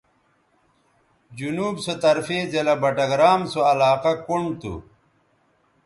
جنوب سو طرفے ضلع بٹگرام سو علاقہ کنڈ تھو